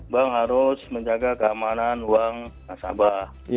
bank harus menjaga keamanan uang nasabah